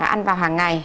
ăn vào hàng ngày